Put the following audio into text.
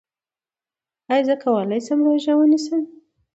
ایا زه به وکولی شم روژه ونیسم؟